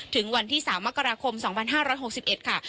ถึงวันที่๓มกราคม๒๕๖๑ค่ะ